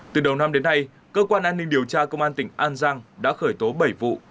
từ đầu năm đến nay cơ quan an ninh điều tra công an tỉnh an giang đã khởi tố bảy vụ